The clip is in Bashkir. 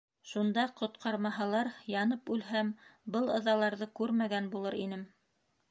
- Шунда ҡотҡармаһалар, янып үлһәм, был ыҙаларҙы күрмәгән булыр инем.